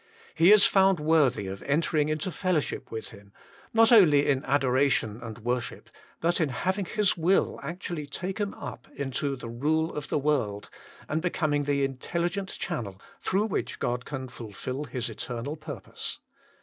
He is found worthy of entering into fellowship with Him, not only in adoration and worship, but in having his will actually taken up into the rule of the world, and becoming the intelligent channel through which God can fulfil His eternal purpose.